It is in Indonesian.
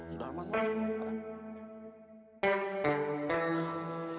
sudah aman om